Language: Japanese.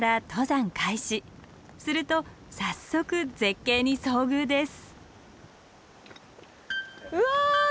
すると早速絶景に遭遇です。